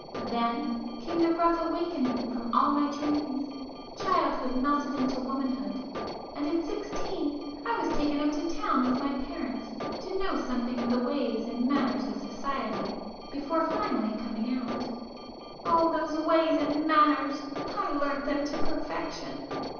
Then came the rough awakening from all my dreams,—childhood melted into womanhood,—and at sixteen I was taken up to town with [p 402] my parents to "know something of the ways and manners of society," before finally 'coming out.' Oh, those ways and manners! I learnt them to perfection!